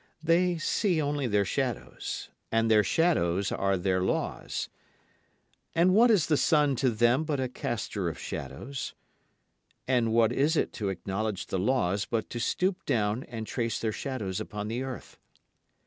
They see only their shadows, and their shadows are their laws. And what is the sun to them but a caster of shadows? And what is it to acknowledge the laws but to stoop down and trace their shadows upon the earth?